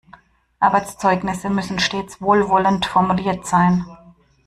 Arbeitszeugnisse müssen stets wohlwollend formuliert sein.